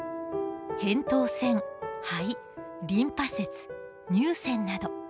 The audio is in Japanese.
扁桃腺肺リンパ節乳腺など。